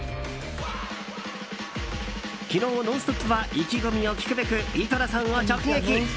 昨日「ノンストップ！」は意気込みを聞くべく井戸田さんを直撃。